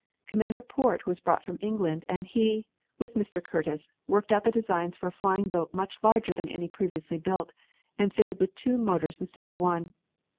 Commander Porte was brought from England, and he, with Mr. Curtiss, worked out the designs for a flying boat much larger than any previously built, and fitted with two motors instead of one.